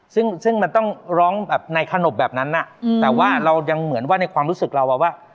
ซึ่งมันต้องร้องแบบในขนบแบบนั้นแต่ว่าเรายังเหมือนว่าในความรู้สึกเราว่า